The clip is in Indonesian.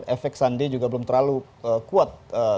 efek sandi juga belum terlalu kuat